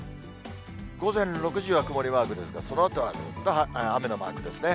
午前６時は曇りマークですが、そのあとはずっと雨のマークですね。